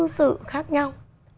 các sự khác nhau